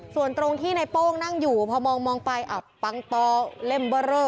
ส่วนตรงที่ในโป้งนั่งอยู่พอมองไปอับปังตอเล่มเบอร์เรอ